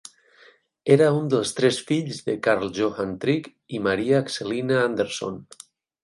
Era un dels tres fills de Carl Johan Trygg i Maria Axelina Andersson.